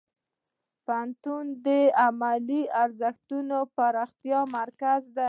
پوهنتون د علمي ارزښتونو د پراختیا مرکز دی.